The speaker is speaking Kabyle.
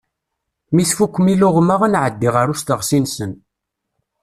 Mi tfukkem iluɣma ad nɛeddi ɣer usteɣsi-nsen.